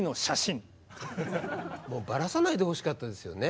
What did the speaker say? もうバラさないでほしかったですよね。